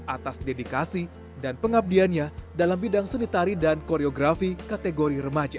atas dedikasi dan pengabdiannya dalam bidang seni tari dan koreografi kategori remaja